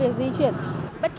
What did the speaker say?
vẫn là đặc biệt